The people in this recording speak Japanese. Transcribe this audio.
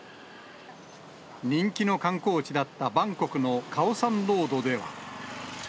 人気の観光地だったバンコクのカオサンロードでは。